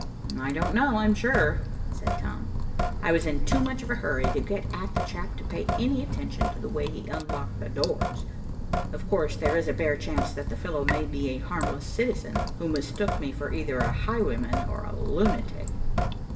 "I don't know, I'm sure," said Tom. "I was in too much of a hurry to get at the chap to pay any attention to the way he unlocked the doors. Of course there is a bare chance that the fellow may be a harmless citizen who mistook me for either a highwayman or a lunatic."